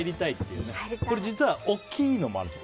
実は、大きいのもあるんです。